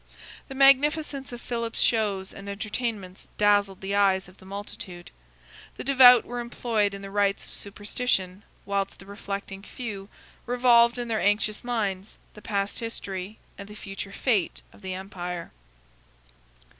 The magnificence of Philip's shows and entertainments dazzled the eyes of the multitude. The devout were employed in the rites of superstition, whilst the reflecting few revolved in their anxious minds the past history and the future fate of the empire.